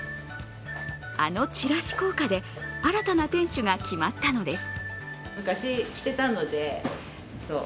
あのチラシ効果で新たな店主が決まったのです。